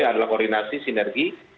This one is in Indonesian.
ini adalah koordinasi sinergi